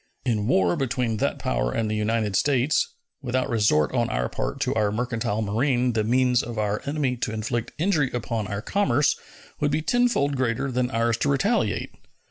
In war between that power and the United States, without resort on our part to our mercantile marine the means of our enemy to inflict injury upon our commerce would be tenfold greater than ours to retaliate.